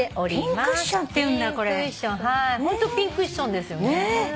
ホントピンクッションですよね。